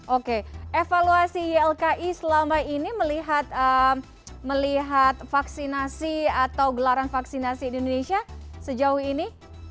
oke evaluasi ylki selama ini melihat vaksinasi atau gelaran vaksinasi di indonesia sejauh ini